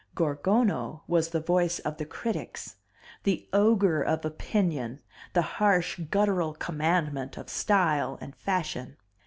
Gorgono was the voice of the critics the ogre of opinion, the harsh guttural commandment of style and fashion.